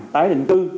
tái định tư